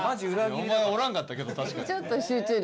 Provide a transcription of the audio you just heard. お前おらんかったけど確かに。